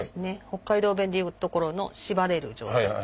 北海道弁でいうところのしばれる状態。